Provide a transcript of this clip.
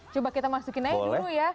coba kita masukin aja dulu ya